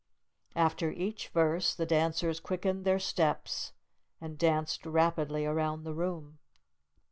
After each verse, the dancers quickened their steps, and danced rapidly around the room.